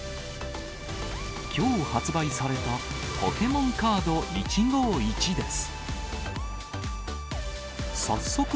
きょう発売されたポケモンカード１５１です。